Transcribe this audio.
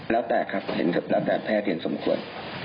แล้วแต่ครับเห็นกับแล้วแต่แพทย์เห็นสมควร